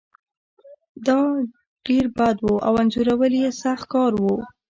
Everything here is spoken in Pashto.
دا ډیر بد و او انځورول یې سخت کار و